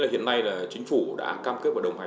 hiện nay là chính phủ đã cam kết và đồng hành